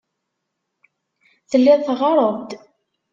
Telliḍ teɣɣareḍ-d.